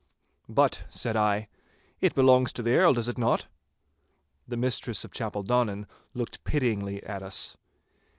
'But,' said I, 'it belongs to the Earl, does it not?' The mistress of Chapeldonnan looked pityingly at us.